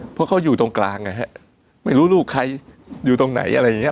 เพราะเขาอยู่ตรงกลางไงฮะไม่รู้ลูกใครอยู่ตรงไหนอะไรอย่างเงี้